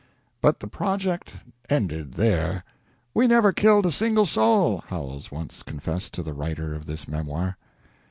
"But the project ended there. We never killed a single soul," Howells once confessed to the writer of this memoir.